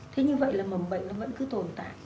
thế như vậy là mầm bệnh nó vẫn cứ tồn tại